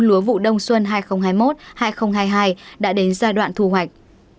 lúa vụ đông xuân hai nghìn hai mươi một hai nghìn hai mươi hai đã đến giai đoạn thu hoạch